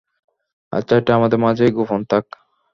আচ্ছা, এটা আমাদের মাঝে গোপন থাক।